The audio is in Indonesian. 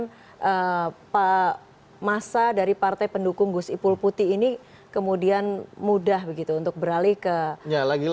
apa yang menyebabkan masa dari partai pendukung gus iqbal putih ini kemudian mudah begitu untuk beralih ke kofifa emil